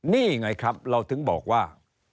นี่ไงครับเราถึงบอกว่า